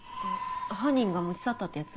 犯人が持ち去ったってやつ？